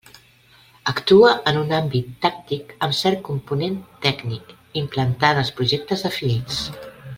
Actua en un àmbit tàctic amb cert component tècnic, implantant els projectes definits.